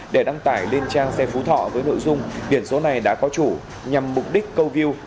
để đăng tải lên trang xe phú thọ với nội dung biển số này đã có chủ nhằm mục đích câu view